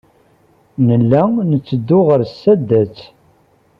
Nella netteddu ɣer sdat.